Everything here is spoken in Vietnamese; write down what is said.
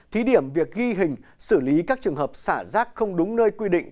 thí điểm việc ghi hình xử lý các trường hợp xả rác không đúng nơi quy định